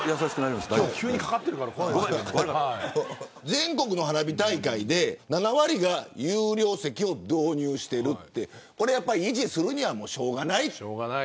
全国の花火大会で７割が有料席を導入しているってしょうがない。